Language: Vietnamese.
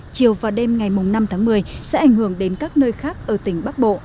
chiều và đêm ngày năm tháng một mươi sẽ ảnh hưởng đến các nơi khác ở tỉnh bắc bộ